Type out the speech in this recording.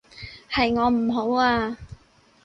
係我唔好啊